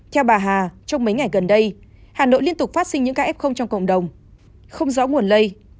theo bà hà trong mấy ngày gần đây hà nội liên tục phát sinh những ca f trong cộng đồng không rõ nguồn lây